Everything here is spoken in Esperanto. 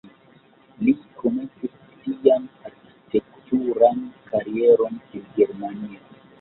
Li komencis sian arkitekturan karieron en Germanio.